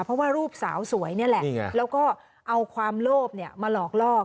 เพราะว่ารูปสาวสวยนี่แหละแล้วก็เอาความโลภมาหลอกลอก